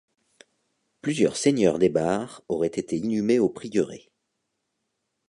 Plusieurs seigneurs des Barres auraient été inhumés au prieuré.